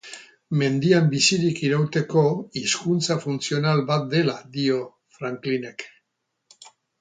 Mendian bizirik irauteko hizkuntza funtzional bat dela dio Franklinek.